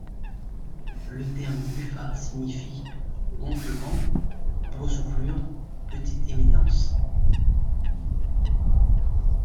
Le terme Buffa signifie gonflement, boursouflure, petite éminence.